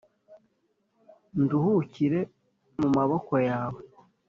nduhukire mu maboko yawe